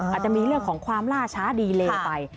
อาจจะมีเรื่องของความล่าช้าดีเลไป